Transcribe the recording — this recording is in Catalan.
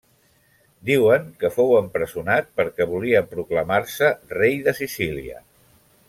Diuen que fou empresonat perquè volia proclamar-se rei de Sicília.